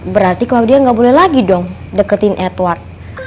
berarti klaudia gak boleh lagi dong deketin edward